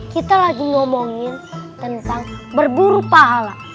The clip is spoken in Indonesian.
kita lagi ngomongin tentang berburu pahala